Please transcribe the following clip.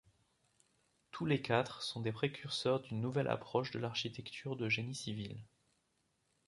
Tous les quatre sont des précurseurs d’une nouvelle approche de l’architecture de génie civil.